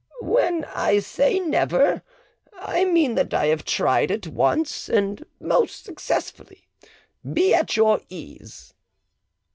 "When I say never, I mean that I have tried it once, and most successfully. Be at your ease."